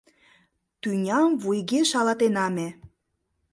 Тӱням вуйге шалатена ме